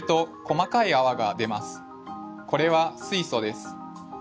これは水素です。